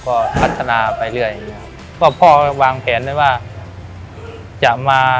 ก็พัฒนาไปเรื่อยอย่างเงี้ยก็พ่อวางแผนไว้ว่าจะมา